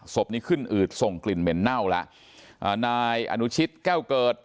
นี้ขึ้นอืดส่งกลิ่นเหม็นเน่าแล้วอ่านายอนุชิตแก้วเกิด